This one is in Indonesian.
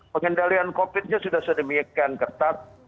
pengendalian covid sembilan belas sudah sedemikian ketat